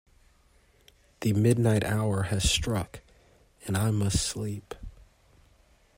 The midnight hour has struck, and I must sleep.